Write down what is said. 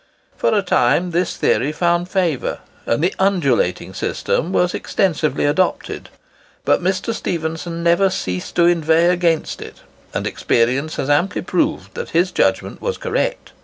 For a time, this theory found favour, and the "undulating system" was extensively adopted; but Mr. Stephenson never ceased to inveigh against it; and experience has amply proved that his judgment was correct.